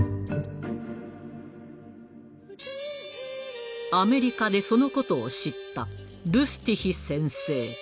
アメリカでそのことを知ったルスティヒ先生。